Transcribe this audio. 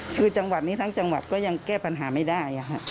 คือจังหวัดนี้ทั้งจังหวัดก็ยังแก้ปัญหาไม่ได้